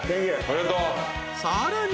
［さらに］